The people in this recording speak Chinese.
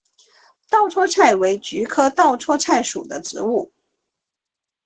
稻槎菜为菊科稻搓菜属的植物。